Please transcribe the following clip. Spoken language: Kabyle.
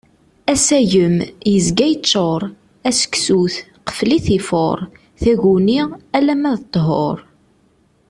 Asagem, yezga yeččur. Aseksut, qfel-it ifuṛ. Taguni, alamma d ṭṭhur.